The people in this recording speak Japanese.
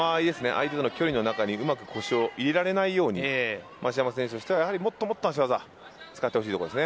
相手の間合いにうまく腰を入れられないように増山選手としてはもっと足技を使ってほしいところです。